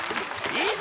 いいぞ！